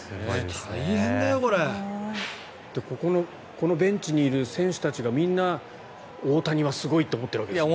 このベンチにいる選手たちがみんな大谷はすごいと思ってるわけでしょう。